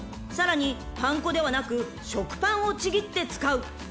［さらにパン粉ではなく食パンをちぎって使う］